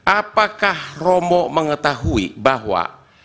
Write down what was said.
apakah romo mengetahui bahwa